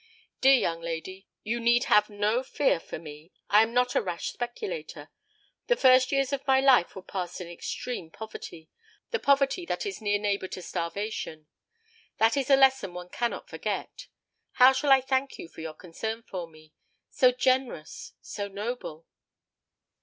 Dear young lady, you need have no fear for me. I am not a rash speculator. The first years of my life were passed in extreme poverty the poverty that is near neighbour to starvation. That is a lesson one cannot forget. How shall I thank you for your concern for me? so generous, so noble!"